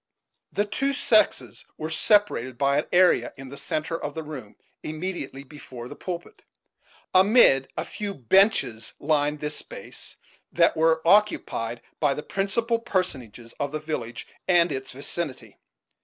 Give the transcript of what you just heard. The two sexes were separated by an area in the centre of the room immediately before the pulpit; amid a few benches lined this space, that were occupied by the principal personages of the village and its vicinity.